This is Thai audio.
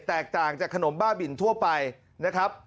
แตกต่างจากขนมบ้าบินทั่วไปนะครับ